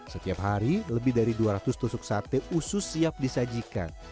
setiap hari lebih dari dua ratus tusuk sate usus siap disajikan